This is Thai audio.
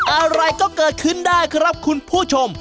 อะไรก็เกิดขึ้นได้ครับคุณผู้ชม